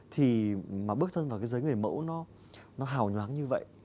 thì mà bước thân vào cái giới người mẫu nó hào nhoáng như vậy